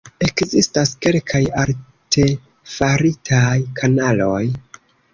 Ekzistas kelkaj artefaritaj kanaloj.